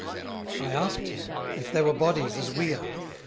I asked him, if they were Bodies as we are?